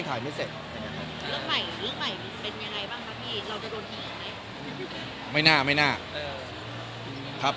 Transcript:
คุณขอตอบ